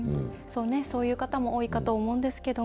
そういう方も多いかと思うんですが。